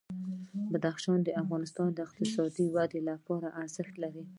بدخشان د افغانستان د اقتصادي ودې لپاره ارزښت لري.